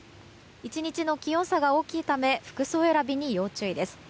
１日の気温差が大きいため服装選びに要注意です。